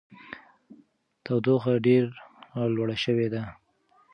تودوخه ډېره لوړه شوې ده.